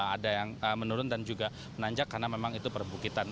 ada yang menurun dan juga menanjak karena memang itu perbukitan